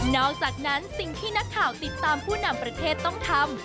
อกจากนั้นสิ่งที่นักข่าวติดตามผู้นำประเทศต้องทำ